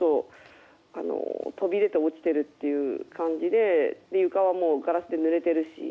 飛び出て起きてるという感じで床はガラスで、ぬれてるし。